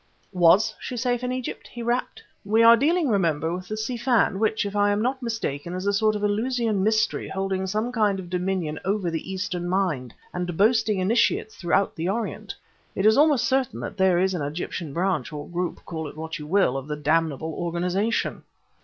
"Was she safe in Egypt?" he rapped. "We are dealing, remember, with the Si Fan, which, if I am not mistaken, is a sort of Eleusinian Mystery holding some kind of dominion over the eastern mind, and boasting initiates throughout the Orient. It is almost certain that there is an Egyptian branch, or group call it what you will of the damnable organization."